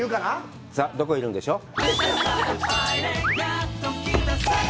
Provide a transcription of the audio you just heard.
さあ、どこにいるんでしょう？